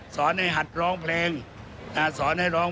สอนให้หัดร้องเพลง